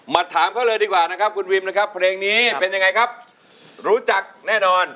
ถามเขาเลยดีกว่านะครับคุณวิมนะครับเพลงนี้เป็นยังไงครับรู้จักแน่นอน